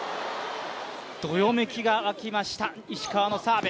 どよめきが沸きました石川のサーブ。